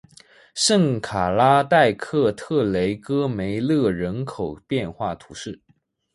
圣卡拉代克特雷戈梅勒人口变化图示